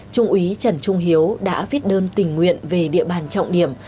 trung úy trần trung hiếu đã viết đơn tình nguyện về địa bàn trọng điểm